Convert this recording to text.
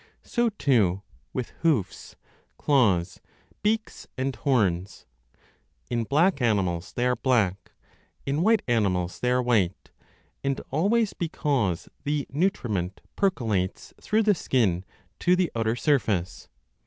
So, too, with hoofs, claws, beaks, and horns ; in black animals they are black, in white animals they are white, and always 20 because the nutriment percolates through the skin to the outer surface.